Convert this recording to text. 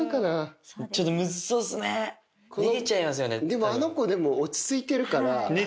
でもあの子落ち着いてるから。